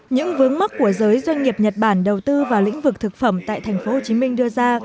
những vướng mắc của giới doanh nghiệp nhật bản đầu tư vào lĩnh vực thực phẩm tại thành phố hồ chí minh đưa ra